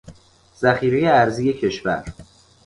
ذخیرهی ارزی کشور